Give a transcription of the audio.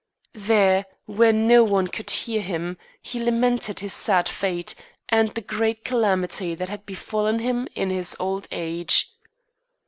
There, where no one could hear him, he lamented his sad fate, and the great calamity that had befallen him in his old age.